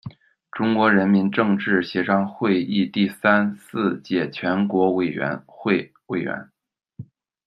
中国人民政治协商会议第三、四届全国委员会委员。